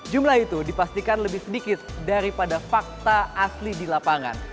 jumlah itu dipastikan lebih sedikit daripada fakta asli di lapangan